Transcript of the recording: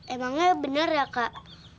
emangnya bener ya kak